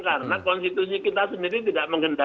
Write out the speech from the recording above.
karena konstitusi kita sendiri tidak menggunakan